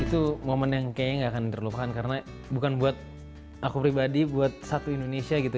itu momen yang kayaknya gak akan terlupakan karena bukan buat aku pribadi buat satu indonesia gitu